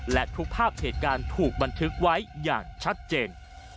และทุกภาพเหตุการณ์ถูกบันทึกไว้อย่างชัดเจน